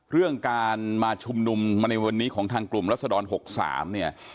เรื่องการมาชุมนุมมาในวันนี้ของทางกลุ่มรัศดร๖๓เนี่ย